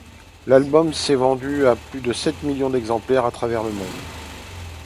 L'album s'est vendu à plus de sept millions d'exemplaires à travers le monde.